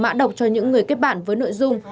mã độc cho những người kết bản với nội dung